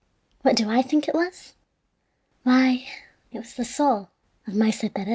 What do I think it was? Why, it was the soul of Maese Perez."